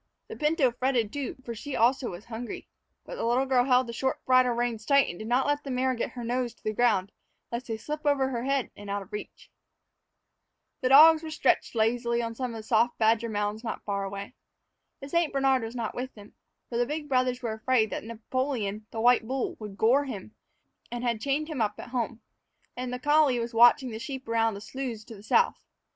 The pinto fretted, too, for she also was hungry. But the little girl held the short bridle reins tight and did not let the mare get her nose to the ground lest they slip over her head and out of reach. The dogs were stretched lazily on some soft badger mounds not far away. The St. Bernard was not with them, for the big brothers were afraid that Napoleon, the white bull, would gore him, and had chained him up at home; and the collie was watching the sheep around the sloughs to the south.